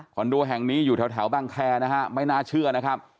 โดแห่งนี้อยู่แถวบางแคร์นะฮะไม่น่าเชื่อนะครับ